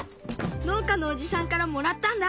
農家のおじさんからもらったんだ。